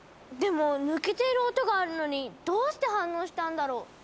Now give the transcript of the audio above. でも抜けている音があるのにどうして反応したんだろう？